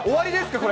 これ。